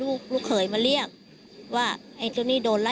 แล้วหลังจากนั้นเราขับหนีเอามามันก็ไล่ตามมาอยู่ตรงนั้น